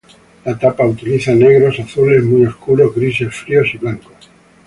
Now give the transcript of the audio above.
La tapa utiliza negros, azules muy oscuros, grises fríos y blancos.